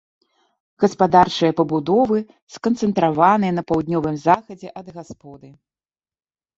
Гаспадарчыя пабудовы сканцэнтраваныя на паўднёвым захадзе ад гасподы.